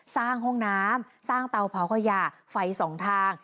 สร้างห้องน้ำสร้างเตาเผาขยะไฟสองทาง